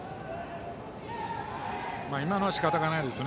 今のはしかたがないです。